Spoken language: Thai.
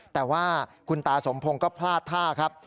แต่ว่าคุณตาสมพงศ์ก็พลาดท่าครับ